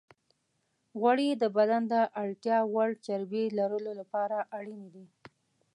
غوړې د بدن د اړتیا وړ چربی لرلو لپاره اړینې دي.